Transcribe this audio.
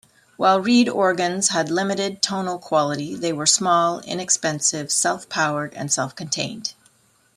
While reed organs had limited tonal quality, they were small, inexpensive, self-powered, and self-contained.